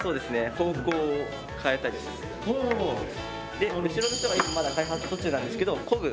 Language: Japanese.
で後ろの人が今まだ開発途中なんですけどこぐ。